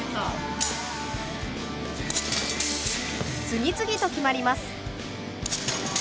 次々と決まります。